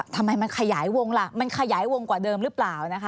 ทำไมมันขยายวงล่ะมันขยายวงกว่าเดิมหรือเปล่านะคะ